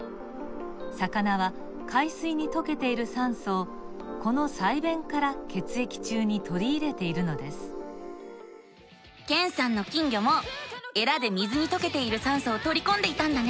魚は海水にとけている酸素をこの鰓弁から血液中にとりいれているのですけんさんの金魚もえらで水にとけている酸素をとりこんでいたんだね。